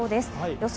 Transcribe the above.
予想